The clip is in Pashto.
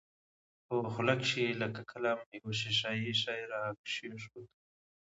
په خوله کښې يې لکه قلم يو ښيښه يي شى راکښېښوو.